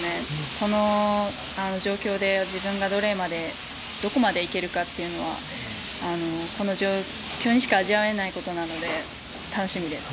この状況で自分がどこまでいけるかというのはこの状況でしか味わえないことなので楽しみです。